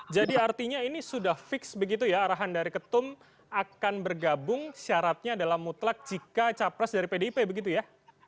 jadi artinya ini sudah fix begitu ya arahan dari ketum akan bergabung syaratnya adalah mutlak jika capres dari pdip begitu ya